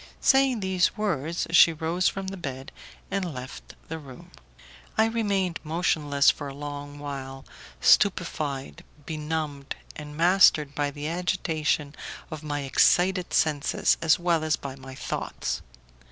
Saying these words, she rose from the bed and left the room. I remained motionless for a long while, stupefied, benumbed, and mastered by the agitation of my excited senses as well as by my thoughts.